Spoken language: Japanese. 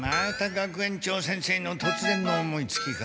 学園長先生のとつぜんの思いつきか。